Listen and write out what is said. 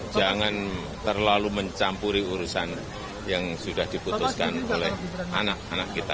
jangan terlalu mencampuri urusan yang sudah diputuskan oleh anak anak kita